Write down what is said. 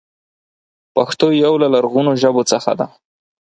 پښتو يو له لرغونو ژبو څخه ده.